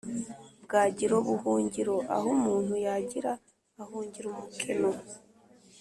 bwagiro: buhungiro (aho umuntu yagira, ahungira umukeno)